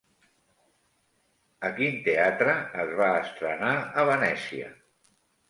A quin teatre es va estrenar a Venècia?